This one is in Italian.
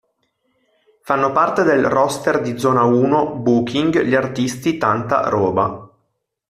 Fanno parte del roster di Zona Uno Booking gli artisti Tanta Roba.